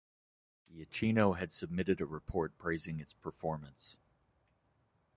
Iachino had submitted a report praising its performance.